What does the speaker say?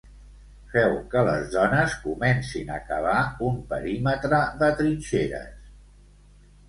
Feu que les dones comencin a cavar un perímetre de trinxeres.